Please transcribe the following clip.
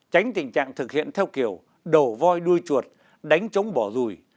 bạn thực hiện theo kiểu đầu voi đuôi chuột đánh chống bỏ rùi